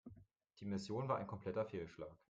Die Mission war ein kompletter Fehlschlag.